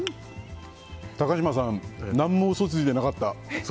高嶋さん、何も嘘ついてなかった。